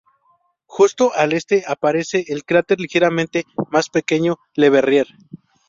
Justo al este aparece el cráter ligeramente más pequeño Le Verrier.